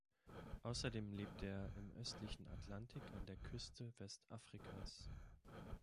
Außerdem lebt er im östlichen Atlantik, an der Küste Westafrikas.